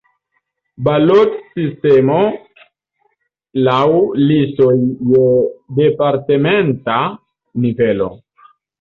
Balotsistemo laŭ listoj je departementa nivelo.